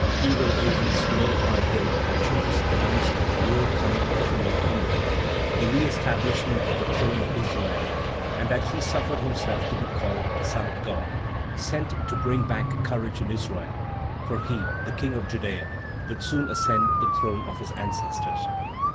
Eager agents notified him that Jesus announced the near coming of a new kingdom, the reestablishment of the throne of Israel, and that he suffered himself to be called the Son of God, sent to bring back courage in Israel, for he, the King of Judea, would soon ascend the throne of his ancestors.